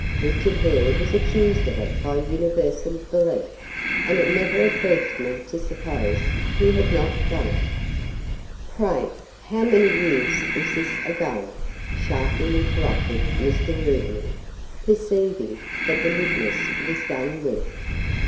Richard Hare was accused of it by universal belief, and it never occurred to me to suppose he had not done it." "Pray, how many years is this ago?" sharply interrupted Mr. Rubiny, perceiving that the witness was done with.